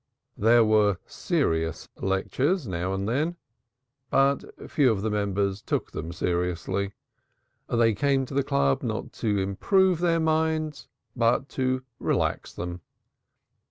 There were serious lectures now and again, but few of the members took them seriously; they came to the Club not to improve their minds but to relax them.